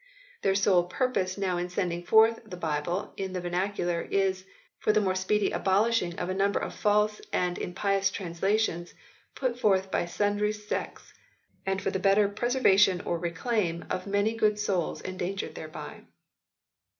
Their sole purpose now in sending forth the Bible in the verna cular is " for the more speedy abolishing of a number of false and impious translations put forth by sundry sectes, and for the better preservation or reclaime of many good soules endangered thereby."